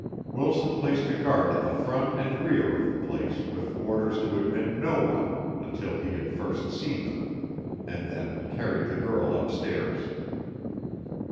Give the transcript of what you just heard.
Wilson placed a guard at the front and rear of the place with orders to admit no one until he had first seen them, and then carried the girl upstairs.